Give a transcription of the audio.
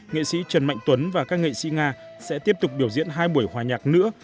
nghệ sĩ trần mạnh tuấn và các nghệ sĩ nga sẽ tiếp tục biểu diễn hai buổi hòa nhạc nữa